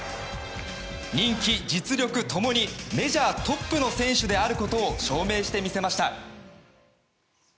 人気、実力共にメジャートップの選手であることを証明してみせました。